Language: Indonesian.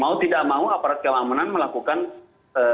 mau tidak mau aparat keamanan melakukan pemberantasan terorisme